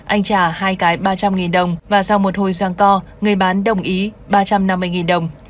anh trả hai cái ba trăm linh đồng và giao một hồi răng co người bán đồng ý ba trăm năm mươi đồng